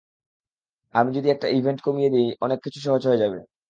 আমি যদি একটা ইভেন্ট কমিয়ে দিই, অনেক কিছু সহজ হয়ে যাবে।